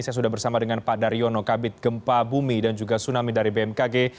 saya sudah bersama dengan pak daryono kabit gempa bumi dan juga tsunami dari bmkg